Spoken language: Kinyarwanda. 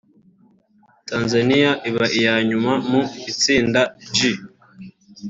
Tanzania iba iya nyuma mu itsinda G